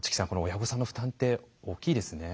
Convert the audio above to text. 親御さんの負担って大きいですね。